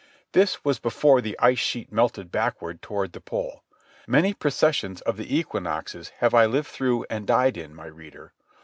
This was before the ice sheet melted backward toward the pole. Many processions of the equinoxes have I lived through and died in, my reader